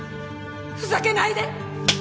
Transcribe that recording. ふざけないで！